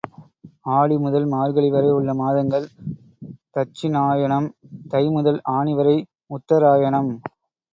ஆடி முதல் மார்கழி வரை உள்ள மாதங்கள் தட்சிணாயனம், தைமுதல் ஆனி வரை உத்தராயனம்.